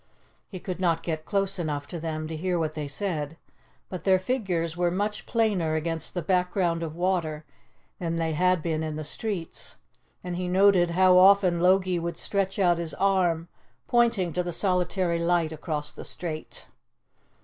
He could not get close enough to them to hear what they said, but their figures were much plainer against the background of water than they had been in the streets, and he noted how often Logie would stretch out his arm, pointing to the solitary light across the strait.